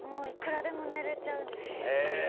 いくらでも寝れちゃうんですよ。